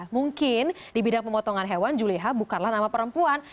mungkin di bidang pemotongan hewan juleha bukanlah nama perempuan